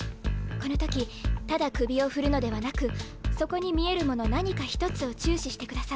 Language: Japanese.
この時ただ首を振るのではなくそこに見えるもの何か一つを注視してください。